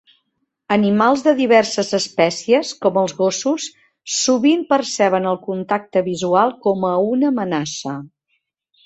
Animals de diverses espècies, com els gossos, sovint perceben el contacte visual com a una amenaça.